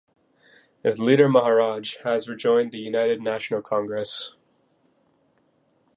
Its leader Maharaj has rejoined the United National Congress.